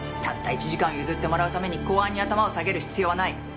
たった１時間譲ってもらうために公安に頭を下げる必要はない。